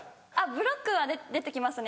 ブロックは出て来ますね。